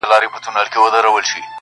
له کلونو ناپوهی یې زړه اره سو؛